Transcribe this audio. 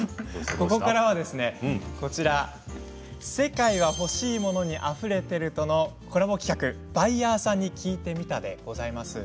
ここからはこちら「世界はほしいモノにあふれてる」とのコラボ企画「バイヤーさんに聞いてみた」です。